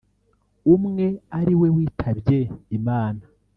umwe ari we witabye Imana